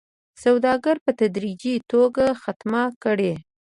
سوداګري په تدريجي توګه ختمه کړي